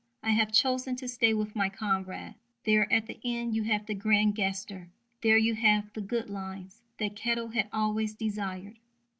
I have chosen to stay with my comrades. There at the end you have the grand gesture. There you have the "good lines" that Kettle had always desired.